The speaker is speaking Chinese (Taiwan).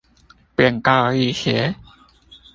變高一些